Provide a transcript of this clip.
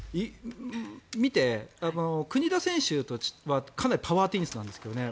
見て、国枝選手はかなりパワーテニスなんですけどね